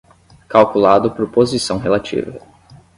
Calculado por posição relativa